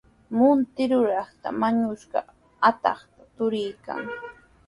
Munti rurintraw wañushqa atuqta tarirqan.